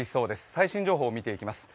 最新情報見ていきます。